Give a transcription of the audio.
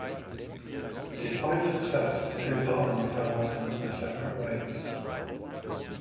Despite success the two partners fell out and went their separate ways.